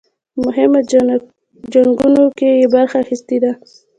په مهمو جنګونو کې یې برخه اخیستې ده.